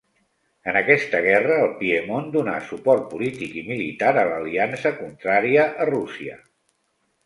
En aquesta guerra, el Piemont donà suport polític i militar a l'aliança contrària a Rússia.